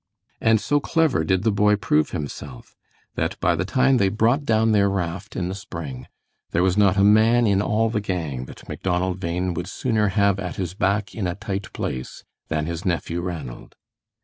And so clever did the boy prove himself that by the time they brought down their raft in the spring there was not a man in all the gang that Macdonald Bhain would sooner have at his back in a tight place than his nephew Ranald.